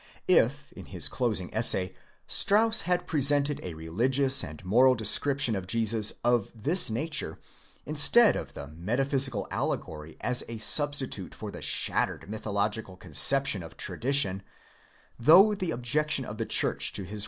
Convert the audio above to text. If in his closing essay Strauss had presented a religious and moral description of Jesus of this nature, instead of a metaphysical allegory as a sub stitute for the shattered mythological conception of tradition, though the objection of the church to his.